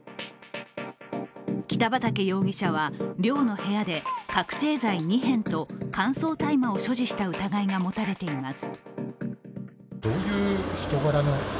北畠容疑者は寮の部屋で覚醒剤２片と、乾燥大麻を所持した疑いが持たれています。